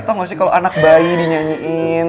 tau gak sih kalau anak bayi dinyanyiin